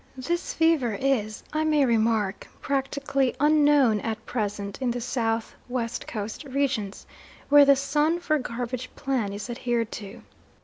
This fever is, I may remark, practically unknown at present in the South West Coast regions where the "sun for garbage" plan is adhered to.